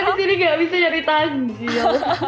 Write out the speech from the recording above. karena disini gak bisa nyari tajil